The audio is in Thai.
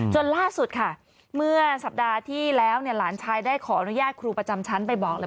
ล่าสุดค่ะเมื่อสัปดาห์ที่แล้วหลานชายได้ขออนุญาตครูประจำชั้นไปบอกเลย